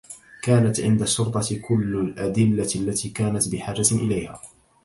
كانت عند الشّرطة كلّ الأدلّة التّي كانت بحاجة إليها.